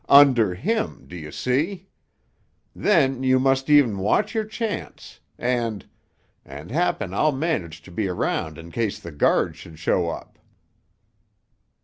Under him, do you see? Then you must e'en watch your chance, and—and happen I'll manage to be around in case the guards should show up."